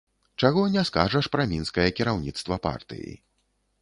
Чаго не скажаш пра мінскае кіраўніцтва партыі.